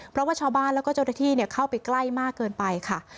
เพราะว่าชาวบ้านแล้วก็เจ้าหน้าที่เข้าไปใกล้มากเกินไปค่ะ